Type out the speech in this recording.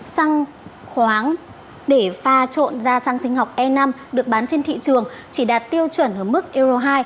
xăng khoáng để pha trộn ra xăng sinh học e năm được bán trên thị trường chỉ đạt tiêu chuẩn ở mức euro hai